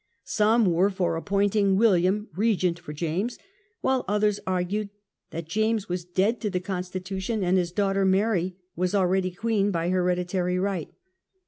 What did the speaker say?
Some were for appointing William Regent for James, while others argued that James was dead to the constitution and his daughter Mary was already Queen by hereditary right.